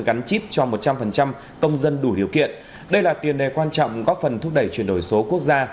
gắn chip cho một trăm linh công dân đủ điều kiện đây là tiền đề quan trọng góp phần thúc đẩy chuyển đổi số quốc gia